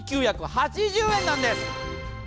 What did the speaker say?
１万９８０円なんです。